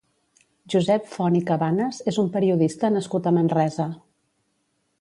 Josep Font i Cabanes és un periodista nascut a Manresa.